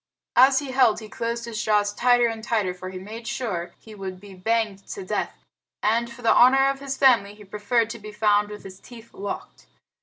As he held he closed his jaws tighter and tighter, for he made sure he would be banged to death, and, for the honor of his family, he preferred to be found with his teeth locked.